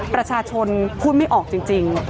ประชาชนพูดไม่ออกจริง